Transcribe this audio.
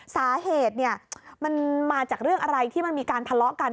สาเหตุมันมาจากเรื่องอะไรที่มันมีการทะเลาะกัน